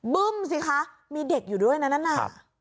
บึ้มสิคะมีเด็กอยู่ด้วยนะนั่นน่ะ